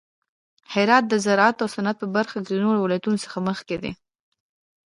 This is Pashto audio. هرات د زراعت او صنعت په برخه کې د نورو ولایتونو څخه مخکې دی.